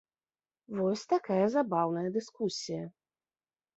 Вось такая забаўная дыскусія.